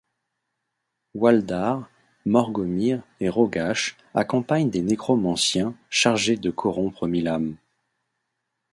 Hwaldar, Morgomir et Rogash accompagnent des nécromanciens, chargés de corrompre mille âmes.